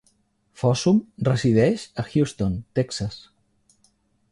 Fossum resideix a Houston, Texas.